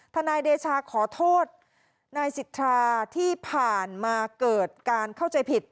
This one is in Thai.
นายเดชาขอโทษนายสิทธาที่ผ่านมาเกิดการเข้าใจผิด